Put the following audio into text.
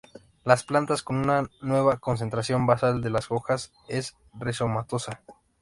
Las plantas con una concentración basal de las hojas, es rizomatosa.